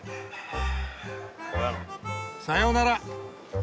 さようなら。